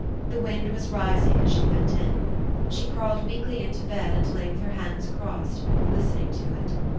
The wind was rising as she went in. She crawled weakly into bed, and lay with her hands crossed, lis tening to it.